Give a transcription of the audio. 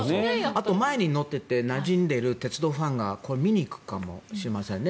あと、前に乗っていてなじんでいる鉄道ファンが見に行くかもしれませんね。